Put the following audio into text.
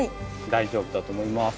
大丈夫だと思います。